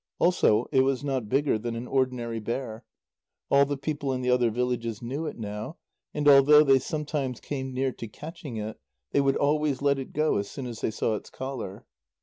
Also it was not bigger than an ordinary bear. All the people in the other villages knew it now, and although they sometimes came near to catching it, they would always let it go as soon as they saw its collar.